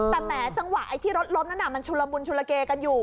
แต่แหมจังหวะไอ้ที่รถล้มนั้นมันชุลมุนชุลเกกันอยู่